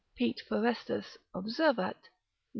Pet. Forestus observat. lib.